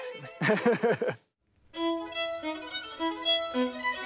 フフフフ。